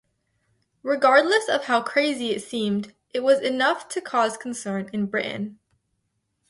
Regardless of how crazy it seemed it was enough to cause concern in Britain.